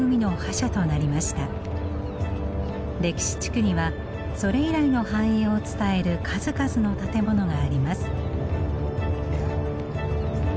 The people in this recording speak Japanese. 歴史地区にはそれ以来の繁栄を伝える数々の建物があります。